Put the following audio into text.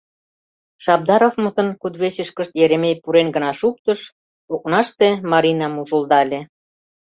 Шабдаровмытын кудывечышкышт Еремей пурен гына шуктыш — окнаште Маринам ужылдале.